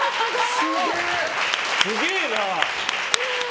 すげえなあ。